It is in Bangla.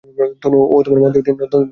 তনু ও মন দিয়ে তিনি নতুন ধর্ম গ্রহণ করলেন।